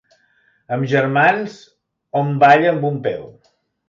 Amb germans hom balla amb un peu.